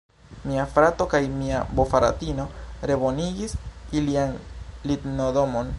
Mia frato kaj mia bofratino rebonigis ilian lignodomon.